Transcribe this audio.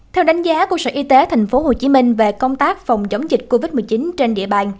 theo đánh giá của sở y tế tp hcm về công tác phòng chống dịch covid một mươi chín trên địa bàn